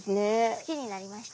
好きになりました。